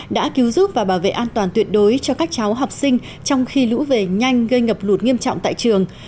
đã cứu giúp và bảo vệ an toàn tuyệt đối cho các cháu học sinh trong khi lũ về nhanh gây ngập lụt nghiêm trọng tại trường